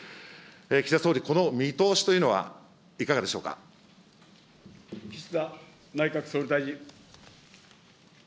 岸田総理、この見通しというのは岸田内閣総理大臣。